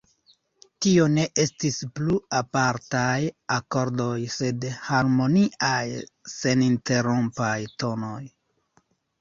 Tio ne estis plu apartaj akordoj, sed harmoniaj, seninterrompaj tonoj.